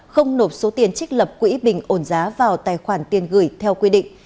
không nộp số tiền trích lập quỹ bình ổn giá vào tài khoản tiền gửi theo quy định